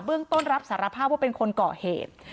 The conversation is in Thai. เรื่องต้นรับสารภาพว่าเป็นคนก่อเหตุ